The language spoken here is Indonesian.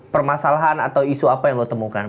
permasalahan atau isu apa yang lo temukan